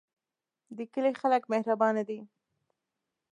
د کلی خلک مهربانه دي